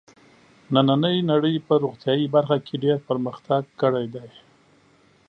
نننۍ نړۍ په روغتیايي برخه کې ډېر پرمختګ کړی دی.